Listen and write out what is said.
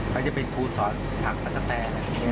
เขาจะเป็นครูสอนทางตะกะแต้